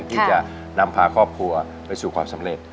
ที่จะนำพาครอบครัวไปสู่ความสำเร็จ